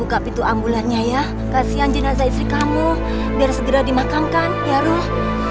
udah pacu ulangannya mah nih